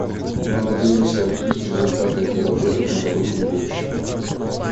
Мы надеемся объявить результаты этой работы в недалеком будущем.